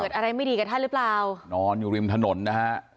อะไรไม่ดีกับท่านหรือเปล่านอนอยู่ริมถนนนะฮะ